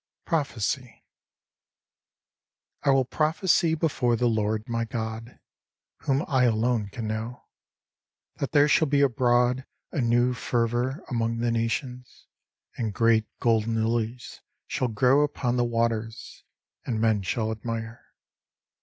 Prophecy I WILL prophecy before the Lord my God Whom I alone can know That there shall be abroad a new fervour among the nations, And great golden lilies shall grow upon the waters, And men shall admire.